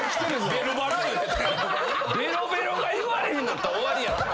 ベロベロが言われへんかったら終わりやで。